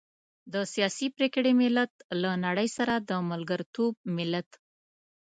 د سياسي پرېکړې ملت، له نړۍ سره د ملګرتوب ملت.